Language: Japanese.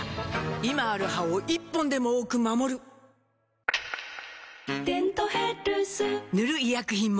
今ある歯を１本でも多く守る「デントヘルス」塗る医薬品も